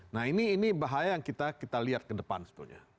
nah ini bahaya yang kita lihat ke depan sebetulnya